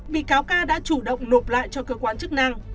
bị cáo ca đã chủ động nộp lại cho cơ quan chức năng